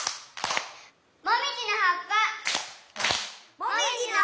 「もみじのはっぱ」。